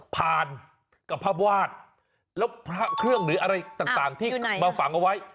ผ่านกับภาพวาดแล้วพระเครื่องหรืออะไรต่างที่มาฝังเอาไว้